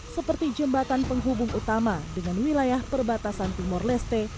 seperti jembatan penghubung utama dengan wilayah perbatasan timur leste